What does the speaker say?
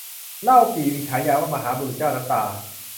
เล่าปี่มีฉายาว่ามหาบุรุษเจ้าน้ำตา